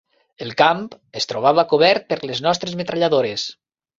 El camp es trobava cobert per les nostres metralladores